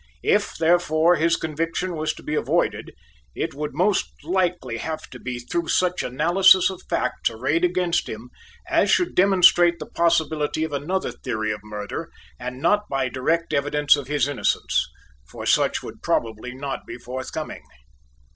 If, therefore, his conviction was to be avoided, it would most likely have to be through such analysis of facts arrayed against him as should demonstrate the possibility of another theory of murder and not by direct evidence of his innocence, for such would probably not be forthcoming.